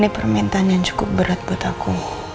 ini permintaan yang cukup berat buat aku